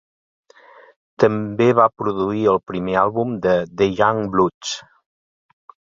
També va produir el primer àlbum de The Youngbloods.